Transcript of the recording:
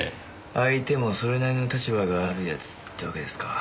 相手もそれなりの立場がある奴ってわけですか。